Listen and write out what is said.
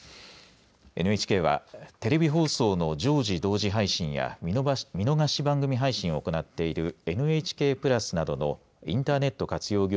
ＮＨＫは、テレビ放送の常時同時配信や見逃し番組配信を行っているＮＨＫプラスなどのインターネット活用